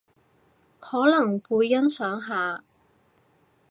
可能會欣賞下